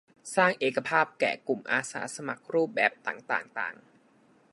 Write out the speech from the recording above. สร้างเอกภาพแก่กลุ่มอาสาสมัครรูปแบบต่างต่างต่าง